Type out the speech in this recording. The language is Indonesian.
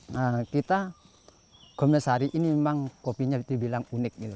nah kita gombeng sari ini memang kopinya dibilang unik gitu loh